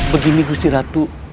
begini gusti ratu